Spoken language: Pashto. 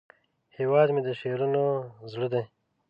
هیواد مې د شعرونو زړه دی